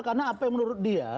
karena apa yang menurut dia